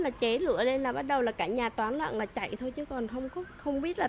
bắt đầu là cháy lửa lên là bắt đầu là cả nhà toán lặng là chạy thôi chứ còn không không biết là